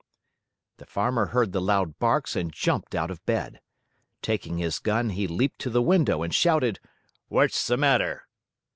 The Farmer heard the loud barks and jumped out of bed. Taking his gun, he leaped to the window and shouted: "What's the matter?"